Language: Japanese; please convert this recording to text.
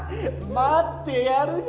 待ってやるよ